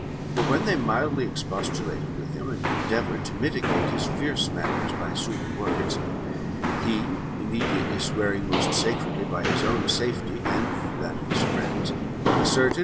For, when they mildly expostulated with him, and endeavoured to mitigate his fierce manners by soothing words, he, immediately swearing most sacredly by his own safety and that of his friends, asserted.